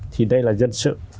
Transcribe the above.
thì đây là dân sự